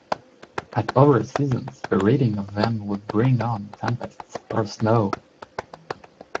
At other seasons the reading of them would bring on tempests or snow.